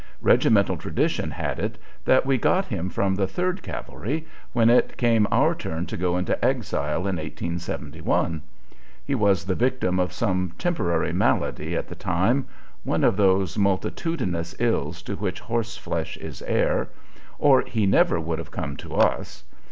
Regimental tradition had it that we got him from the Third Cavalry when it came our turn to go into exile in 1871. He was the victim of some temporary malady at the time, one of those multitudinous ills to which horse flesh is heir, or he never would have come to us.